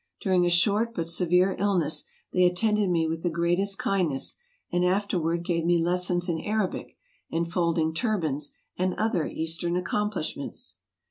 During a short but severe illness they attended me with the greatest kind ness, and afterward gave me lessons in Arabic, and folding turbans, and other Eastern acomplishments.